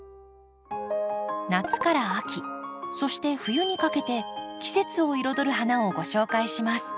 夏から秋そして冬にかけて季節を彩る花をご紹介します。